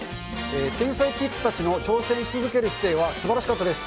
天才キッズたちの挑戦し続ける姿勢は、すばらしかったです。